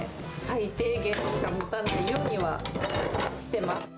最低限のものしか持たないようにはしてます。